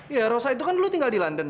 iya rosa itu kan dulu tinggal di london